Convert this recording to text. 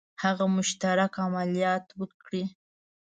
هغه مشترک عملیات وکړي.